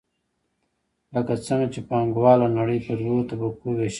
لکه څنګه چې پانګواله نړۍ په دوو طبقو ویشلې ده.